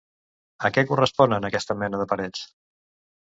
A què corresponen aquesta mena de parets?